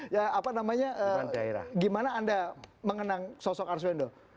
ya apa namanya gimana anda mengenang sosok arswendo